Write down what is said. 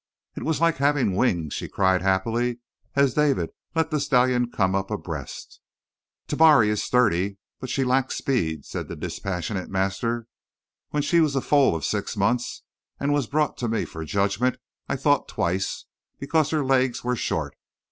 "It was like having wings," she cried happily as David let the stallion come up abreast. "Tabari is sturdy, but she lacks speed," said the dispassionate master. "When she was a foal of six months and was brought to me for judgment, I thought twice, because her legs were short.